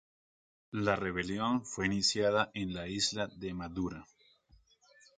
La rebelión fue iniciada en la isla de Madura.